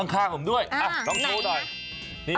ข้างผมด้วยลองโชว์หน่อย